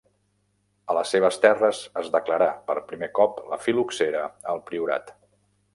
A les seves terres es declarà per primer cop la fil·loxera al priorat.